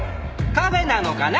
カフェなのかな？